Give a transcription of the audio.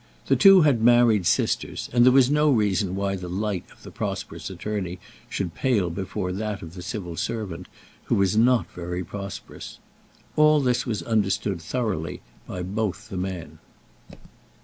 The two had married sisters, and there was no reason why the light of the prosperous attorney should pale before that of the civil servant, who was not very prosperous. All this was understood thoroughly by both the men.